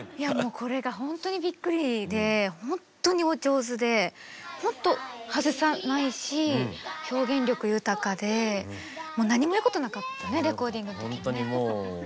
これがほんとにびっくりでほんとにお上手でほんと外さないし表現力豊かでもう何も言うことなかったねレコーディングの時もね。